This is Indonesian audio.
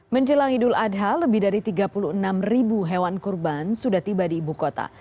menjelang idul adha lebih dari tiga puluh enam ribu hewan kurban sudah tiba di ibu kota